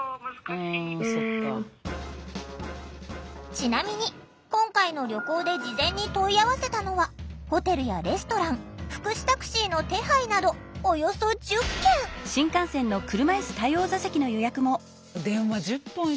ちなみに今回の旅行で事前に問い合わせたのはホテルやレストラン福祉タクシーの手配など電話１０本してさ分かんないよ